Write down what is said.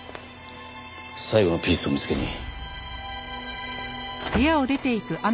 最後のピースを見つけに。